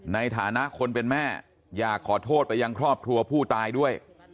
ในฐานะคนเป็นแม่อยากขอโทษไปยังครอบครัวผู้ตายด้วย